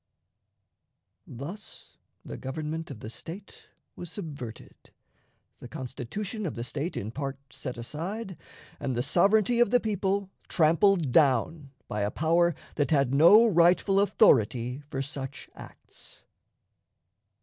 Thus the government of the State was subverted, the Constitution of the State in part set aside, and the sovereignty of the people trampled down by a power that had no rightful authority for such acts.